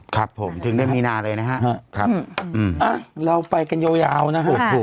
ครับผมถึงได้มีนาเลยนะฮะครับอ้าเราไปกันยาวยาวนะฮะโอ้โห